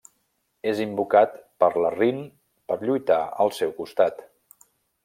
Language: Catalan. És invocat per la Rin per lluitar al seu costat.